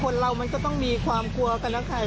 คนเรามันก็ต้องมีความกลัวกันนะใคร